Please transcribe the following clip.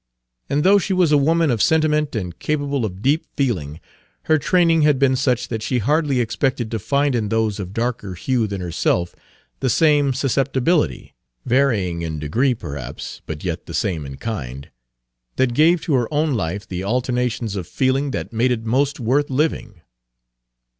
And though she was a woman of sentiment and capable of deep feeling, her training had been such that she hardly expected to find in those of darker hue than herself the same susceptibility varying in degree, perhaps, but yet the same in kind Page 279 that gave to her own life the alternations of feeling that made it most worth living.